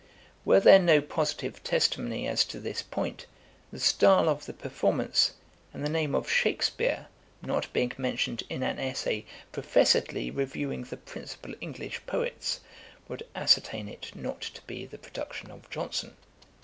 Were there no positive testimony as to this point, the style of the performance, and the name of Shakspeare not being mentioned in an Essay professedly reviewing the principal English poets, would ascertain it not to be the production of Johnson.